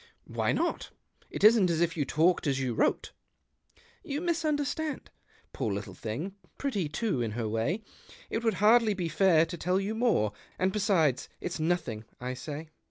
"Why not? It isn't as if you talked as you wrote." " You misunderstand. Poor little thing — pretty too, in her way ! It would hardly be fair to tell you more ; and l^esides, it's nothing, I say."